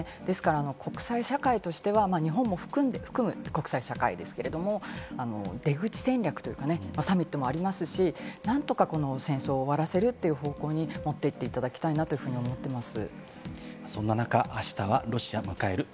ですから国際社会としては日本を含む国際社会ですけど、出口戦略というかサミットもありますし、何とか戦争を終わらせるっていう方向に持っていっていただきたいなというふうに思っています。